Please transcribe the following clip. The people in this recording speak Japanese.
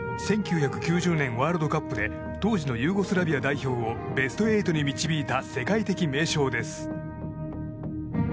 １９９０年ワールドカップで当時のユーゴスラビア代表をベスト８に導いた世界的名将です。